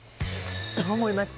どう思いますか？